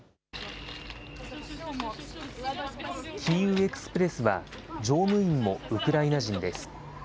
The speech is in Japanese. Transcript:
キーウ・エクスプレスは乗務員もウクライナ人です。